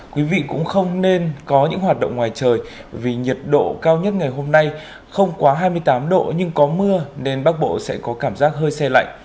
quý vị cũng không nên có những hoạt động ngoài trời vì nhiệt độ cao nhất ngày hôm nay không quá hai mươi tám độ nhưng có mưa nên bắc bộ sẽ có cảm giác hơi xe lạnh